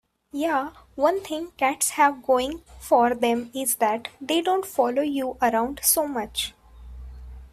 Yeah, one thing cats have going for them is that they don't follow you around so much.